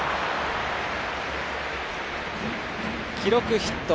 記録ヒット。